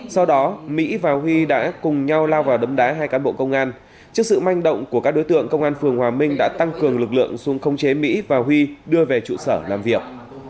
sau đó mỹ và huy đã cùng nhau lao vào đấm đá hai cán bộ công an trước sự manh động của các đối tượng công an phường hòa minh đã tăng cường lực lượng xuống không chế mỹ và huy đưa về trụ sở làm việc